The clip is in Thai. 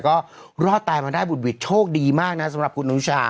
ก็รอดตายมาได้บุดหวิดโชคดีมากนะสำหรับคุณอนุชา